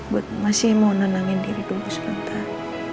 buat masih mau nenangin diri dulu sebentar